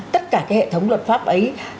tất cả cái hệ thống luật pháp ấy